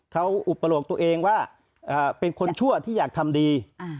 เขาอุปโลกตัวเองว่าเป็นคนชั่วที่อยากทำดี